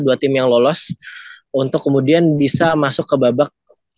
dua tim yang lolos untuk kemudian bisa masuk ke babak